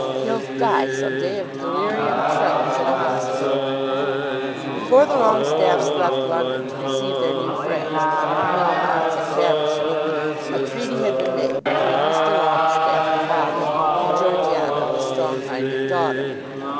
"He'll die some day of delirium tremens in a hospital!" Before the Longestaffes left London to receive their new friends the Melmottes at Caversham, a treaty had been made between Mr. Longestaffe, the father, and Georgiana, the strong minded daughter.